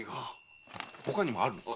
ほかにもあるのか？